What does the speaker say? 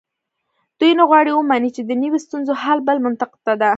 دوی نه غواړي ومني چې دنیوي ستونزو حل بل منطق ته ده.